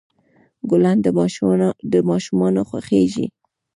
ګلان د ماشومان خوښیږي.